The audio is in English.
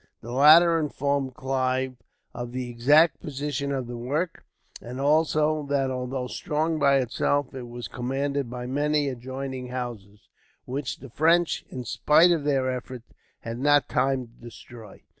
The latter informed Clive of the exact position of the work, and also, that although strong by itself, it was commanded by many adjoining houses; which the French, in spite of their efforts, had not time to destroy.